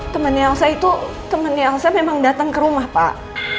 temannya elsa itu temannya elsa memang datang ke rumah pak